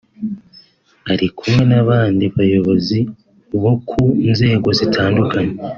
Ari kumwe n’abandi bayobozi bo ku nzego zitandukanye